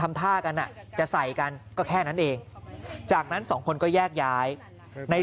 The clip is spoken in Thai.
ทำท่ากันจะใส่กันก็แค่นั้นเองจากนั้นสองคนก็แยกย้ายใน